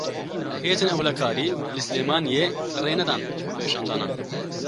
Hêzên Ewlekarî, li Silêmaniyê rê nedan xwepêşandanan